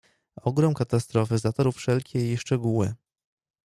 "Ogrom katastrofy zatarł wszelkie jej szczegóły."